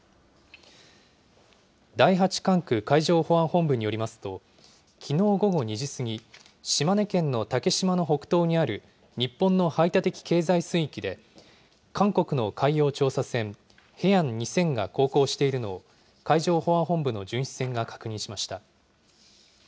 第８管区海上保安本部によりますと、きのう午後２時過ぎ、島根県の竹島の北東にある日本の排他的経済水域で、韓国の海洋調査船、ＨＡＥＹＡＮＧ２０００が航行しているのを、海上保安本部の巡視船が確認しました。